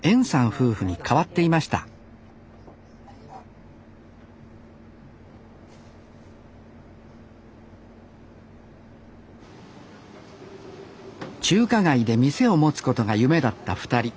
夫婦に変わっていました中華街で店を持つことが夢だった２人。